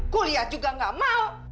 kuliah juga gak mau